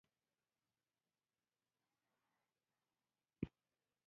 کله چې افغانستان کې ولسواکي وي امنیت خوندي وي.